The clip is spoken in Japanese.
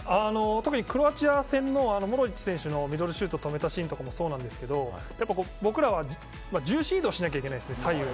特にクロアチア戦のモドリッチ選手のミドルシュートを決めたシーンもそうなんですが僕らは重心移動しないといけないんです、左右へ。